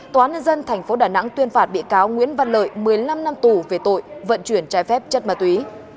tòa án nhân dân tp đà nẵng tuyên phạt bị cáo nguyễn văn lợi một mươi năm năm tù về tội vận chuyển trái phép chất ma túy